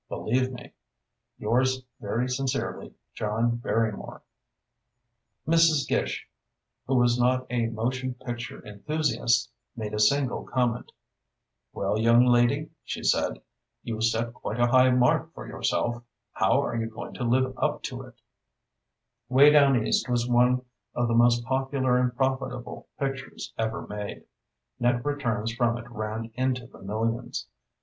Believe me, Yours very sincerely, JOHN BARRYMORE Mrs. Gish, who was not a motion picture enthusiast, made a single comment: "Well, young lady," she said, "you've set quite a high mark for yourself. How are you going to live up to it?" [Illustration: THE RIVER SCENE IN "WAY DOWN EAST"] "Way Down East" was one of the most popular and profitable pictures ever made. Net returns from it ran into the millions.